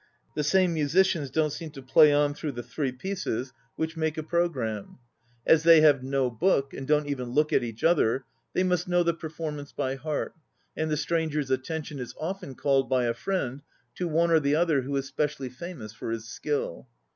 The same musicians don't seem to play on through the three pieces which make APPENDIX I 265 a programme. As they have no book (and don't even look at each other), they must know the performance by heart, and the stranger's attention is often called by a friend to one or the other who is specially famous for his skill.